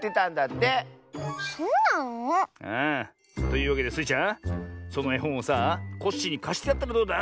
というわけでスイちゃんそのえほんをさあコッシーにかしてやったらどうだ？